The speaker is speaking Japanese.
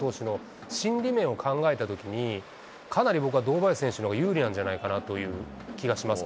鍬原投手の心理面を考えたときに、かなり僕は堂林選手のほうが有利なんじゃないかなという気がします。